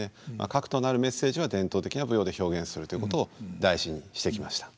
核となるメッセージは伝統的な舞踊で表現するということを大事にしてきました。